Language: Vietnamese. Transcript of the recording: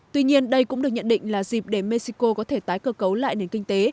tuy nhiên đây cũng được nhận định là dịp để mexico có thể tái cơ cấu lại nền kinh tế